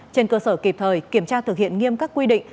trên cơ sở kịp thời kiểm tra thực hiện nghiêm các quy định